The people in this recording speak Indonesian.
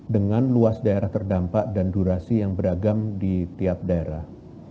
dengan luas daerah terdampak dan durasi yang beragam di tiap daerah